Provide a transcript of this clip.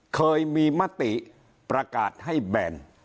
เคยมีมติประกาศให้แบน